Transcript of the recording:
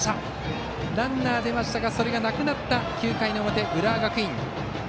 ランナーが出ましたがそれがなくなった９回の表、浦和学院。